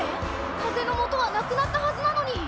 かぜのもとはなくなったはずなのに。